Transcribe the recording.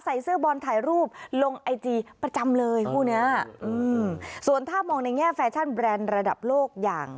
ใส่เสื้อบอลถ่ายรูปลงไอจีประจำเลยคู่เนี้ยอืมส่วนถ้ามองในแง่แฟชั่นแบรนด์ระดับโลกอย่าง